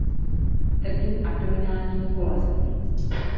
Trpím abdominálními bolestmi.